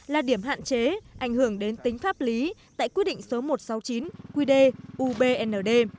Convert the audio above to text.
là điểm hạn chế ảnh hưởng đến tính pháp lý tại quy định số một trăm sáu mươi chín quy đề ubnd